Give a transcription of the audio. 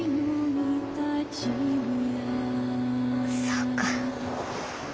そうか。